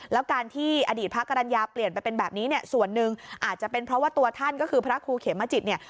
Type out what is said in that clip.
แล้วการที่อดีตพระกรรณญาเปลี่ยนไปเป็นแบบนี้เนี่ยส่วนหนึ่งอาจจะเป็นเพราะว่าตัวท่านก็คือพระครูเขมจิตเนี่ย